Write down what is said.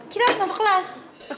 kita harus masuk kelas